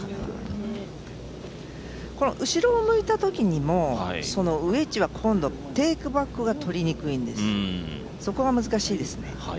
後ろを向いたときにもウェッジはテイクバックが取りにくいんです、そこが難しいですね。